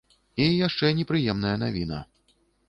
І яшчэ непрыемная навіна.